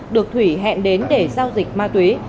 được thủy hẹn đến để giao dịch ma túy